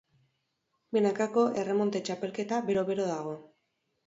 Binakako erremonte txapelketa bero-bero dago.